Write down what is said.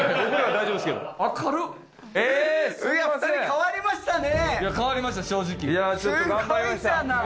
変わりましたよ。